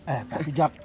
eh tapi jak